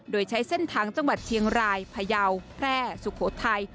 โดยใช้เส้นทางจังหวัดเชียงรายพยาวแพร่สุโขทัย